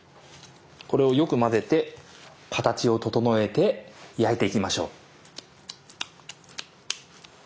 これをよく混ぜて形を整えて焼いていきましょう。